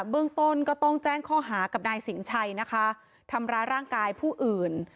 เบื้องต้นก็ต้องแจ้งข้อหากับนายสินชัยนะคะทำร้ายร่างกายผู้อื่น